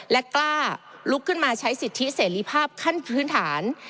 และกล้าลุกขึ้นมาใช้สิทธิเสรีภาพขั้นพื้นฐาน